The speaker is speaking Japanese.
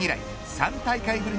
３大会ぶり